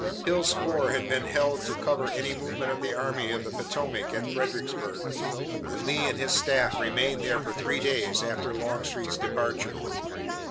Hill's corps had been held to cover any movement of the Army of the Potomac at Fredericksburg, and Lee and his staff remained there for three days after Longstreet's departure.